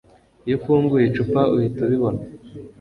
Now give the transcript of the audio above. Iyo ufunguye icupa uhita ubibona